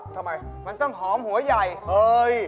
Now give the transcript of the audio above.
ทำไมมันต้องหอมหัวใหญ่เอ่ย